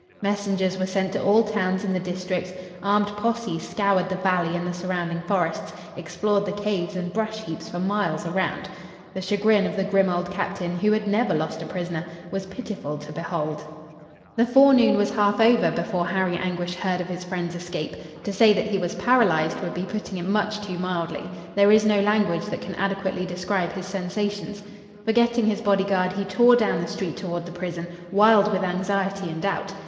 Messengers were sent to all towns in the district; armed posses scoured the valley and the surrounding forests, explored the caves and brush heaps for miles around. The chagrin of the grim old Captain, who had never lost a prisoner, was pitiful to behold. The forenoon was half over before Harry Anguish heard of his friend's escape. To say that he was paralyzed would be putting it much too mildly. There is no language that can adequately describe his sensations. Forgetting his bodyguard, he tore down the street toward the prison, wild with anxiety and doubt.